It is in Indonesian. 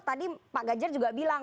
tadi pak ganjar juga bilang